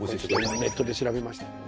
ネットで調べましたから。